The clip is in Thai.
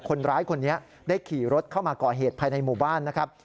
คนร้ายคนนี้ได้ขี่รถเข้ามาก่อเหตุภายในหมู่บ้านนะครับ